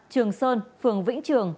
trường sơn phường vĩnh trường